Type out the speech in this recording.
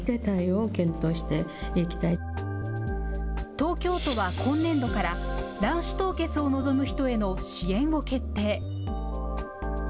東京都は今年度から、卵子凍結を望む人への支援を決定。